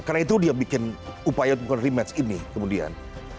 karena itu dia bikin upaya untuk rematch ini kemudian